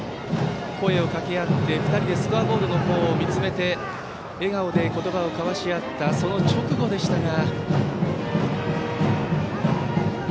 声をかけ合って２人でスコアボードの方を見つめて笑顔で言葉を交わし合ったその直後でしたが。